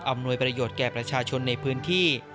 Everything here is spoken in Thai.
หน่วยประโยชนแก่ประชาชนในพื้นที่